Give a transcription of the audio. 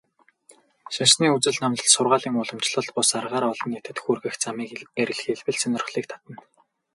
Шашны үзэл номлол, сургаалыг уламжлалт бус аргаар олон нийтэд хүргэх замыг эрэлхийлбэл сонирхлыг татна.